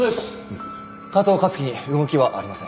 加藤香月に動きはありません。